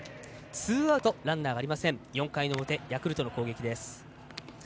ツーアウトランナーありません、４回の表ヤクルトの攻撃です。